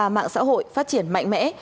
mạng xã hội phát triển mạnh mẽ